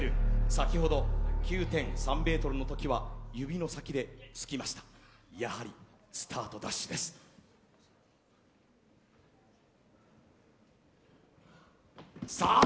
先ほど９．３ｍの時は指の先でつきましたやはりスタートダッシュですさあ